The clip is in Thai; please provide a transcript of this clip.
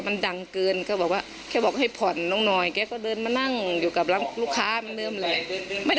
จนใดเจ้าของร้านเบียร์ยิงใส่หลายนัดเลยค่ะ